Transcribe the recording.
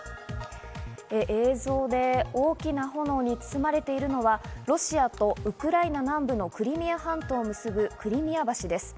映像で大きな炎に包まれているのはロシアとウクライナ南部のクリミア半島を結ぶクリミア橋です。